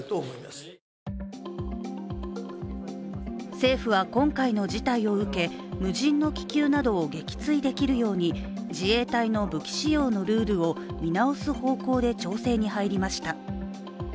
政府は今回の事態を受け、無人の気球などを撃墜できるように、自衛隊の武器使用のルールを見直す方向で調整に入りました。